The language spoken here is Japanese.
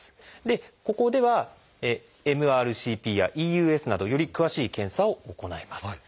でここではＭＲＣＰやＥＵＳなどより詳しい検査を行います。